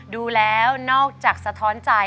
ดูแล้วนอกจากสะท้อนใจ